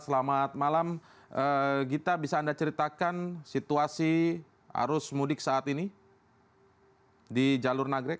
selamat malam gita bisa anda ceritakan situasi arus mudik saat ini di jalur nagrek